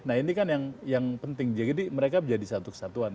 nah ini kan yang penting jadi mereka menjadi satu kesatuan